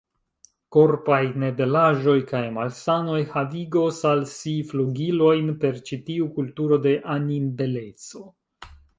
Korpaj nebelaĵoj kaj malsanoj havigos al si flugilojn per ĉi tiu kulturo de animbeleco.